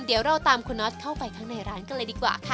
เดี๋ยวเราตามคุณนอสเข้าไปข้างในร้านกันเลยดีกว่าค่ะ